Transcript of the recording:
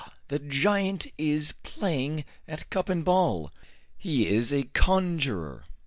the giant is playing at cup and ball; he is a conjurer."